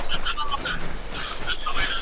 د لږکیو ماشومان د خپلي مورنۍ ژبي د زده کړي حق لري.